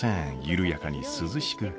緩やかに涼しく。